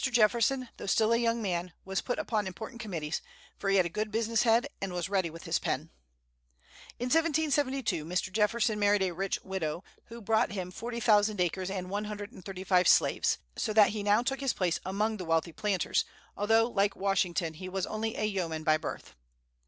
Jefferson, though still a young man, was put upon important committees, for he had a good business head, and was ready with his pen. In 1772 Mr. Jefferson married a rich widow, who brought him forty thousand acres and one hundred and thirty five slaves, so that he now took his place among the wealthy planters, although, like Washington, he was only a yeoman by birth.